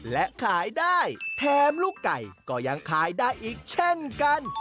และขายได้แถมลูกไก่ก็ยังขายได้อีกเช่นกัน